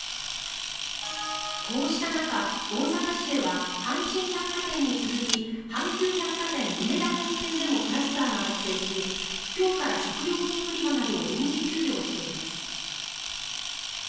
こうした中、大阪市では阪神百貨店に続き阪急百貨店うめだ本店でもクラスターが発生し今日から食料品売り場などを臨時休業しています。